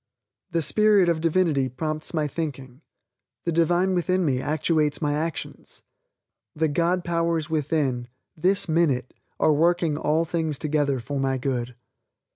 The Spirit of Divinity prompts my thinking. The Divine within me actuates my actions. The God Powers within, this minute are working all things together for my good.